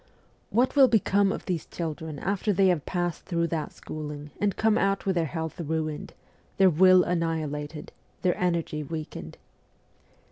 What will become of these children after they have passed through that schooling and come out with their health ruined, their will annihilated, their energy weakened